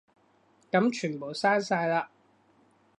噉全部刪晒啦